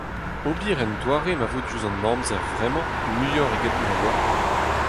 Ober en doare ma vo diouzh an amzer-vremañ muioc'h eget na oa.